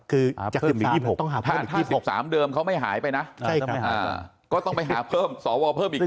คือจาก๑๓ต้องหาเพิ่มอีก๒๖ถ้า๑๓เดิมเขาไม่หายไปนะใช่ครับก็ต้องไปหาเพิ่มสอวรเพิ่มอีก๒๖